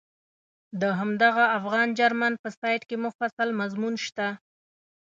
د همدغه افغان جرمن په سایټ کې مفصل مضمون شته.